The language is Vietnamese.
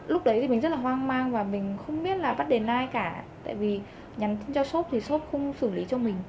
lúc đấy thì mình rất là hoang mang và mình không biết là bắt đến ai cả tại vì nhắn cho shop thì sốt không xử lý cho mình